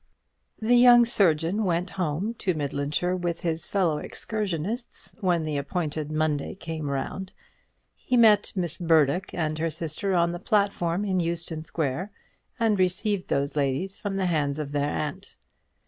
The young surgeon went home to Midlandshire with his fellow excursionists, when the appointed Monday came round. He met Miss Burdock and her sister on the platform in Euston Square, and received those ladies from the hands of their aunt.